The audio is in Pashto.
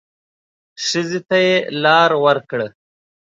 ښځې ته يې لار ورکړه.